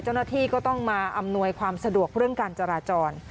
เจ้าหน้าที่ก็ต้องมาอำนวยความสะดวกเรื่องการจราจร